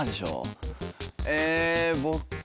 えっ？